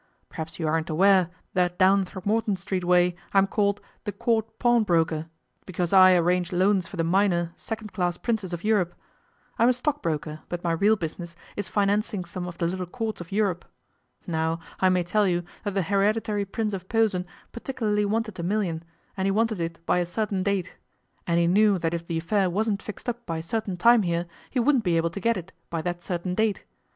Perhaps you aren't aware that down Throgmorton Street way I'm called "The Court Pawnbroker", because I arrange loans for the minor, second class Princes of Europe. I'm a stockbroker, but my real business is financing some of the little Courts of Europe. Now, I may tell you that the Hereditary Prince of Posen particularly wanted a million, and he wanted it by a certain date, and he knew that if the affair wasn't fixed up by a certain time here he wouldn't be able to get it by that certain date.